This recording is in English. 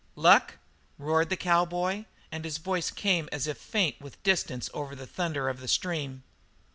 "Luck?" roared the cowboy, and his voice came as if faint with distance over the thunder of the stream.